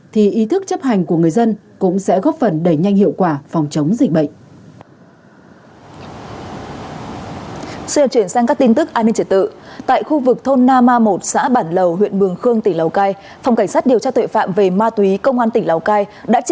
thì ý thức chấp hành của người dân cũng sẽ góp phần đẩy nhanh hiệu quả phòng chống dịch bệnh